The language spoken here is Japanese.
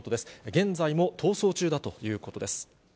現在も逃走中だということです。